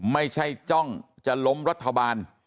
ไม่ใช่จ้องจะล้มรัฐบาล